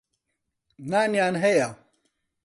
نانیان هەیە.